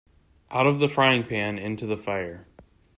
Out of the frying-pan into the fire.